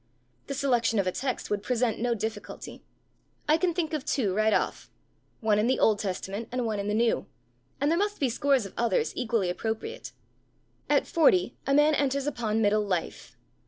The selection of a text would present no difficulty. I can think of two right off one in the Old Testament, and one in the New and there must be scores of others equally appropriate. At forty a man enters upon middle life.